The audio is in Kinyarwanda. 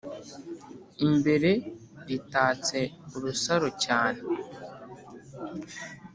Imbere ritatse urusaro cyane,